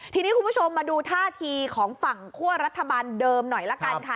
ทีนี้คุณผู้ชมมาดูท่าทีของฝั่งคั่วรัฐบาลเดิมหน่อยละกันค่ะ